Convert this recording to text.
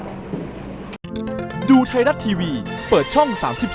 ครับขอบคุณครับไม่ยอมผิดการแสดงข่าวครับ